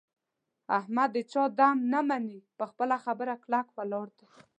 احمد د چا دم نه مني. په خپله خبره کلک ولاړ دی.